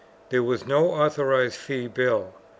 There was no authorized fee bill.